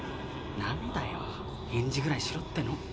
なんだよ返事ぐらいしろっての。